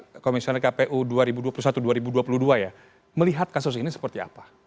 pak komisioner kpu dua ribu dua puluh satu dua ribu dua puluh dua ya melihat kasus ini seperti apa